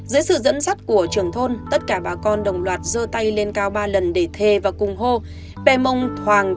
dưới sự dẫn dắt của trường thôn tất cả bà con đồng loạt dơ tay lên cao ba lần để thê và cung hô